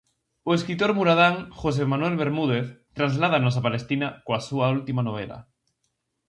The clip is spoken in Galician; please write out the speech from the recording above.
O escritor muradán José Manuel Bermúdez trasládanos a Palestina coa súa última novela.